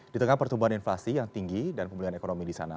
di tengah pertumbuhan inflasi yang tinggi dan pemulihan ekonomi di sana